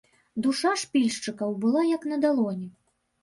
Душа ж пільшчыкаў была як на далоні.